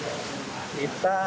lalu terhadap institusinya